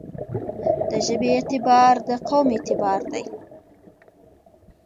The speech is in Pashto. دژبې اعتبار دقوم اعتبار دی.